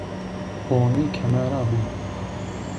Boni kemer ra bi.